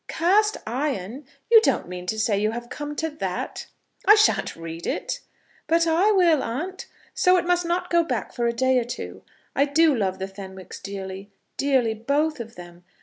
Cast Iron! You don't mean to say you have come to that?" "I shan't read it." "But I will, aunt. So it must not go back for a day or two. I do love the Fenwicks, dearly, dearly, both of them.